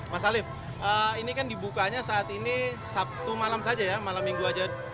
mas alif ini kan dibukanya saat ini sabtu malam saja ya malam minggu aja